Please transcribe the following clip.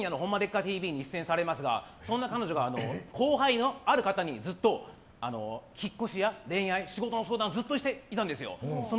ＴＶ」に出演されますがそんな彼女が後輩のある方に引っ越しや恋愛仕事の相談されていたんです。